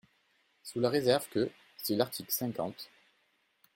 Sous la réserve que, si l’article L.